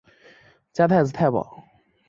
加太子太保。